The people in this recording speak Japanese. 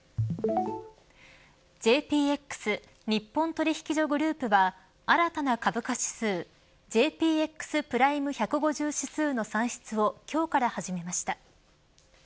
ＪＰＸ日本取引所グループは新たな株価指数ＪＰＸプライム１５０指数の算出を今日から始めました。